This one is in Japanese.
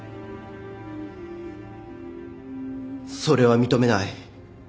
それは認めない